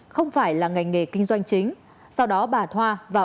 không phải là ngành nghề kinh doanh chính